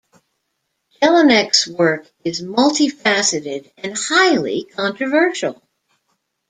Jelinek's work is multi-faceted and highly controversial.